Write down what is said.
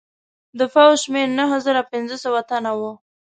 د پوځ شمېر نهه زره پنځه سوه تنه وو.